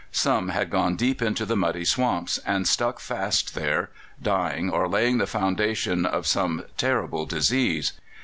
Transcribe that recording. Some had gone deep into the muddy swamps and stuck fast there, dying or laying the foundation of some terrible disease.